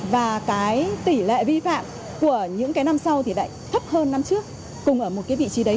và cái tỷ lệ vi phạm của những cái năm sau thì lại thấp hơn năm trước cùng ở một cái vị trí đấy